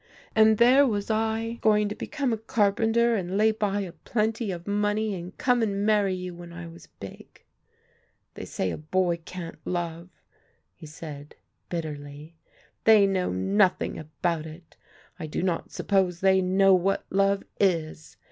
And there was I going to become a carpenter and lay by a plenty of money and come and marry you when I was big. They say a boy can't love," he said bitterly; "they know nothing about it; I do not suppose they know what love is.